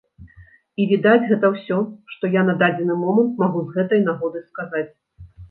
І, відаць, гэта ўсё, што я на дадзены момант магу з гэтай нагоды сказаць.